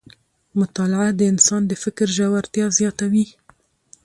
مطالعه د انسان د فکر ژورتیا زیاتوي